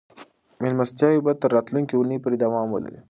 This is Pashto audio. مېلمستیاوې به تر راتلونکې اونۍ پورې دوام ولري.